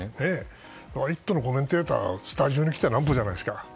「イット！」のコメンテーターはスタジオに来てなんぼじゃないですか。